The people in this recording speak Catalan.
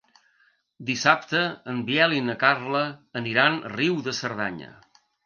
Dissabte en Biel i na Carla aniran a Riu de Cerdanya.